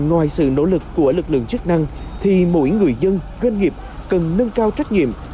ngoài sự nỗ lực của lực lượng chức năng thì mỗi người dân doanh nghiệp cần nâng cao trách nhiệm